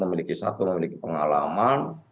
memiliki satu memiliki pengalaman